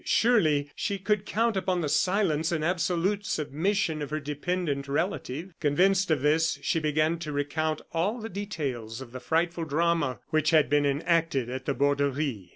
Surely she could count upon the silence and absolute submission of her dependent relative. Convinced of this, she began to recount all the details of the frightful drama which had been enacted at the Borderie.